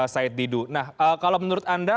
said didu nah kalau menurut anda